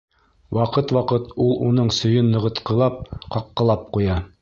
Ваҡыт-ваҡыт ул уның сөйөн нығытҡылап-ҡаҡҡылап ҡуя.